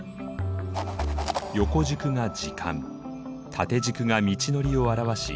横軸が時間縦軸が道のりを表し